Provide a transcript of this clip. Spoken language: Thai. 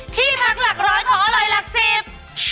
ที่พักหลักร้อยของอร่อยหลักสิบ